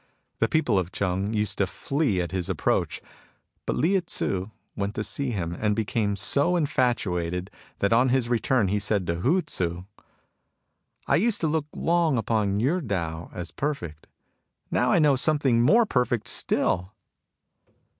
The people of Cheng used to flee at his approach; but Lieh Tzu went to see him, and became so infatuated that on his return he said to Hu Tzu,^ " I used to look upon your Tao as perfect. Now I know something more perfect still."